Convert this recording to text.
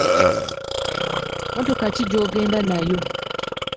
Mmotoka ki gy'ogenda nayo?